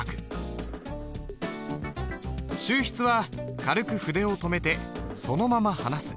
収筆は軽く筆を止めてそのまま離す。